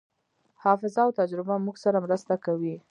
حافظه او تجربه موږ سره مرسته کوي.